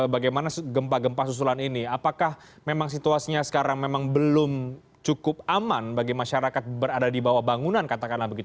bagaimana gempa gempa susulan ini apakah memang situasinya sekarang memang belum cukup aman bagi masyarakat berada di bawah bangunan katakanlah begitu